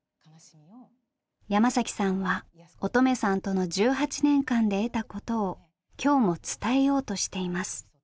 山さんは音十愛さんとの１８年間で得たことを今日も伝えようとしています。